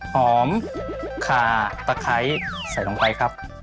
หอมขาตะไคร้ใส่ลงไปครับ